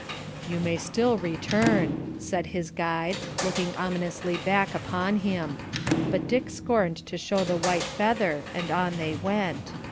'You may still return,' said his guide, looking ominously back upon him; but Dick scorned to show the white feather, and on they went.